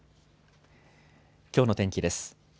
きょうの天気です。